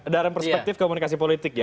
dalam perspektif komunikasi politik ya